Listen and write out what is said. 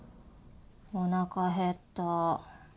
おなか減った。